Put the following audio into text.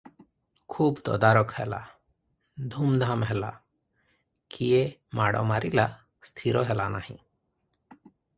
ଖୁବ୍ ତଦାରଖ ହେଲା, ଧୂମଧାମ ହେଲା, କିଏ ମାଡ଼ ମାରିଲା ସ୍ଥିର ହେଲା ନାହିଁ ।